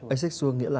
asexual nghĩa là